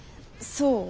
そう？